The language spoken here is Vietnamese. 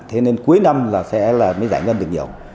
thế nên cuối năm là sẽ giải ngân được nhiều